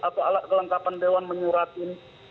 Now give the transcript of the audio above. atau alat kelengkapan dewan menyuratin